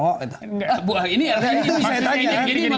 ini maksudnya ini namanya penyebabnya tidak boleh